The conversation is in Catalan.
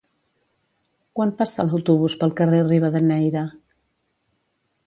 Quan passa l'autobús pel carrer Rivadeneyra?